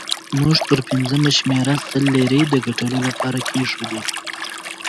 موږ پر پنځمه شمېره سلو لیرې د ګټلو لپاره کېښودې.